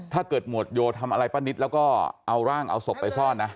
หมวดโยทำอะไรป้านิตแล้วก็เอาร่างเอาศพไปซ่อนนะ